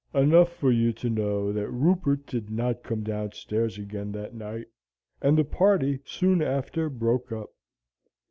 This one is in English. Enough for you to know that Rupert did not come down stairs again that night, and the party soon after broke up.